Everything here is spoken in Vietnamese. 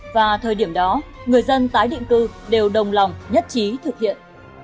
và thời điểm đó người dân tái định cư đều đồng lòng nhất trí thực hiện